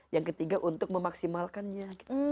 yang ketiga untuk memaksimalkannya